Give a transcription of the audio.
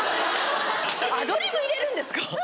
アドリブ入れるんですか？